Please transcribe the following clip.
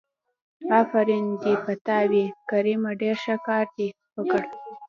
آفرين دې په تا وي کريمه ډېر ښه کار دې وکړ.